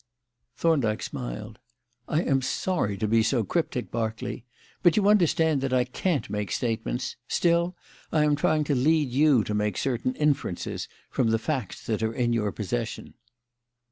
Thorndyke smiled. "I am sorry to be so cryptic, Berkeley, but you understand that I can't make statements. Still, I am trying to lead you to make certain inferences from the facts that are in your possession."